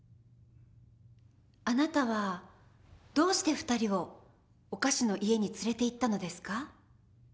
あなたはどうして２人をお菓子の家に連れていったのですか？